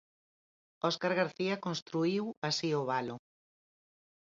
Óscar García construíu así o valo.